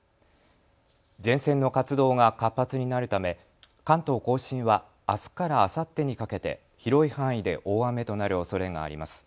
前線の活動が活発になるため関東甲信はあすからあさってにかけて広い範囲で大雨となるおそれがあります。